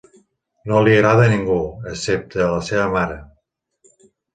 No li agrada a ningú, excepte a la seva mare.